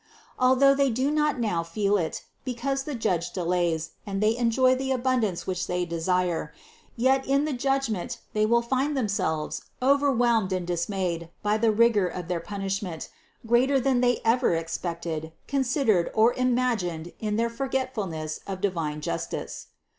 Although they do not now feel it, be cause the Judge delays and they enjoy the abundance which they desire, yet in the judgment they will find them selves overwhelmed and dismayed by the rigor of their punishment, greater than they ever expected, considered or imagined in their forgetfulness of divine justice.